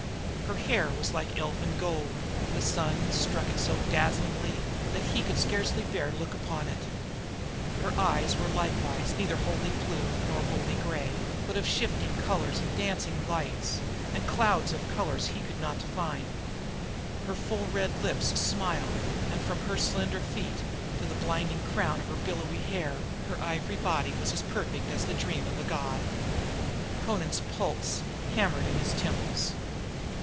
Her hair was like elfin gold, striking which, the sun dazzled him. Her eyes were neither wholly blue nor wholly grey, but of shifting colors and dancing lights and clouds of colors he could not recognize. Her full red lips smiled, and from her slim feet to the blinding crown of her billowy hair, her ivory body was as perfect as the dream of a god. Amra's pulse hammered in his temples.